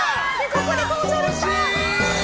ここで登場でした。